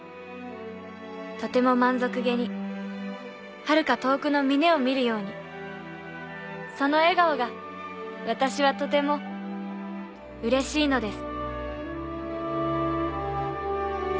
とても満足げにはるか遠くの峰を見るようにその笑顔が私はとてもうれしいのです